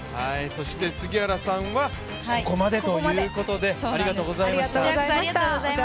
そして杉原さんはここまでということでありがとうございました。